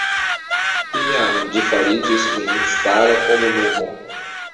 Tiam ĝi fariĝis memstara komunumo.